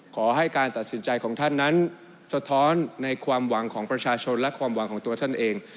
ขอให้การตัดสินใจของท่านนั้นสะท้อนในความหวังของประชาชนและความหวังของตัวท่านเอง